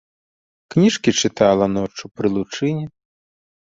Кніжкі чытала ноччу пры лучыне.